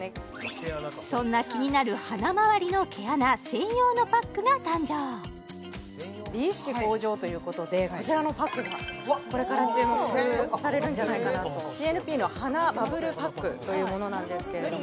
そんな気になる鼻周りの毛穴専用のパックが誕生鼻意識向上ということでこちらのパックがこれから注目されるんじゃないかなとＣＮＰの鼻バブルパックというものなんですけれども